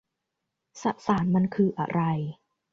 สสารมันคืออะไร